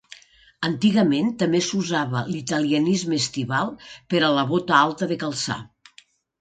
Antigament també s'usava l'italianisme estival per a la bota alta de calçar.